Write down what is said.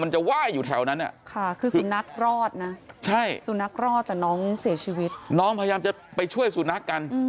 จะไหว้อยู่แถวนั้นอ่ะค่ะคือสุนัขรอดนะใช่สุนัขรอดแต่น้องเสียชีวิตน้องพยายามจะไปช่วยสุนัขกัน